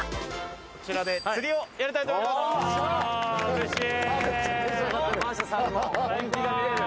こちらで釣りをやりたいと思うれしい！